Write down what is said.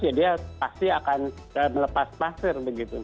ya dia pasti akan melepas pasir begitu